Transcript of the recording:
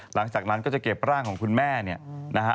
หลังจากนั้นก็จะเก็บร่างของคุณแม่เนี่ยนะฮะ